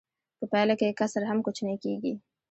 په پایله کې کسر هم کوچنی کېږي